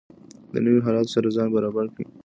د نویو حالاتو سره ځان برابر کړئ.